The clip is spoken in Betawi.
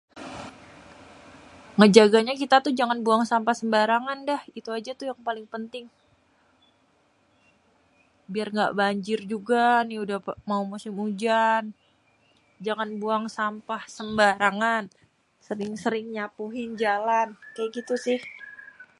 Ngejaganya kita tuh jangan buang sampah sembarangan dah. Itu aja tuh yang paling penting biar ngga banjir juga ni udah mau musim ujan. Jangan buang sampah sembarangan sering-sering nyapuin jalan kayak gitu sih.